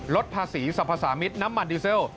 ลดภาษีสรรพสามิตรน้ำมันดีเซล